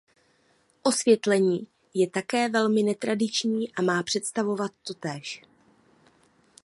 Osvětlení je také velmi netradiční a má představovat totéž.